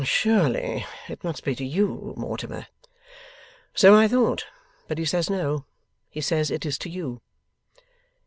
'Surely it must be to you, Mortimer.' 'So I thought, but he says no. He says it is to you.